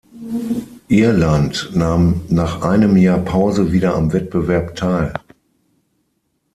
Irland nahm nach einem Jahr Pause wieder am Wettbewerb teil.